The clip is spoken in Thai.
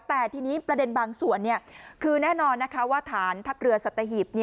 แต่ทีนี้ประเด็นบางส่วนคือแน่นอนนะคะว่าฐานทัพเรือสัตหีบ